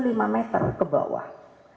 lima meter ke bawah